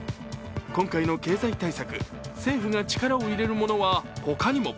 今回の経済対策、政府が力を入れものはほかにも。